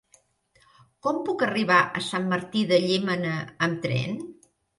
Com puc arribar a Sant Martí de Llémena amb tren?